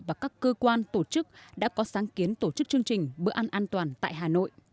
và các cơ quan tổ chức đã có sáng kiến tổ chức chương trình bữa ăn an toàn tại hà nội